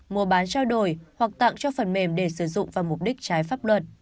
mua bán trao đổi hoặc tặng cho phần mềm để sử dụng vào mục đích trái pháp luật